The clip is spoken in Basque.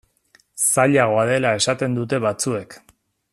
Zailagoa dela esaten dute batzuek.